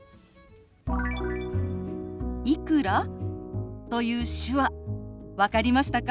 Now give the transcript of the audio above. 「いくら？」という手話分かりましたか？